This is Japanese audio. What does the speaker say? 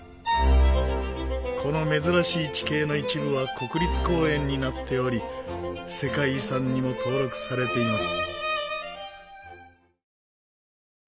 この珍しい地形の一部は国立公園になっており世界遺産にも登録されています。